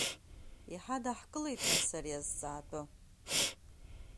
Иҳадаҳкылеит нас ари азҵаатәы?